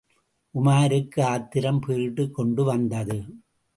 உமாருக்கு ஆத்திரம் பீறிட்டுக் கொண்டு வந்தது.